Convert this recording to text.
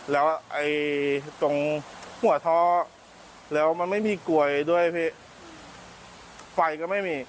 แล้วไอ้ตรงหัวท่อแล้วมันไม่มีกลวยด้วยพี่ไฟก็ไม่มี